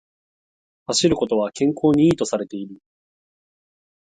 走ることは健康に良いとされている